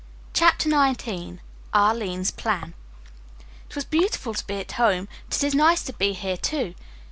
CHAPTER XIX ARLINE'S PLAN "It was beautiful to be at home, but it is nice to be here, too.